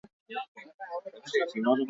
Zer gertatu da benetan?